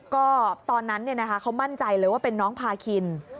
ก็ตอนนั้นเขามั่นใจเลยว่าเป็นน้องพาคิน